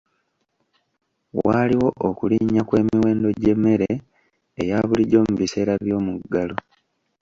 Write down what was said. Waaliwo okulinnya kw'emiwendo gy'emmere eya bulijjo mu biseera by'omuggalo.